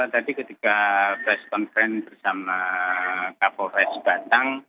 tadi ketika press conference bersama kapolres batang